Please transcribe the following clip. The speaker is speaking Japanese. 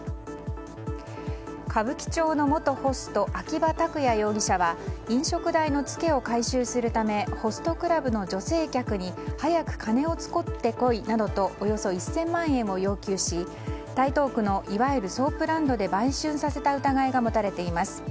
歌舞伎町の元ホスト秋葉拓也容疑者は飲食代のツケを回収するためホストクラブの女性客に早く金を作ってこいなどとおよそ１０００万円を要求し台東区のいわゆるソープランドで売春させた疑いが持たれています。